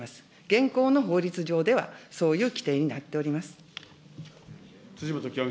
現行の法律上ではそういう規定になっております。